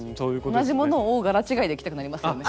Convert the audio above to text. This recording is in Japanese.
同じ物を柄違いで着たくなりますよね？